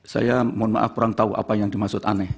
saya mohon maaf kurang tahu apa yang dimaksud aneh